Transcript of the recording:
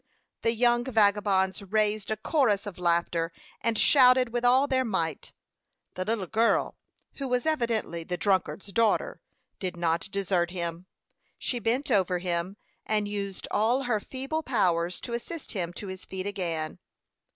The young vagabonds raised a chorus of laughter, and shouted with all their might. The little girl, who was evidently the drunkard's daughter, did not desert him. She bent over him, and used all her feeble powers to assist him to his feet again.